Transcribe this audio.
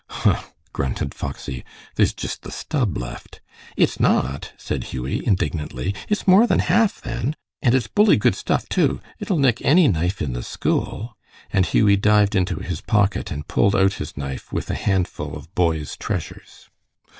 "Huh!" grunted Foxy, "there's jist the stub left." "It's not!" said Hughie, indignantly. "It's more than half, then. And it's bully good stuff, too. It'll nick any knife in the school"; and Hughie dived into his pocket and pulled out his knife with a handful of boy's treasures.